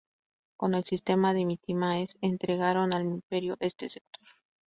Con el sistema de mitimaes integraron al imperio este sector.